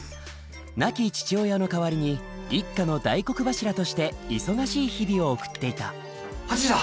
亡き父親の代わりに一家の大黒柱として忙しい日々を送っていた８時だ！